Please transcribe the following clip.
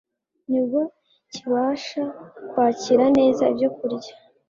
nibwo kibasha kwakira neza ibyokurya